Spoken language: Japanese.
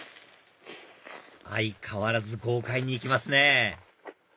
相変わらず豪快にいきますね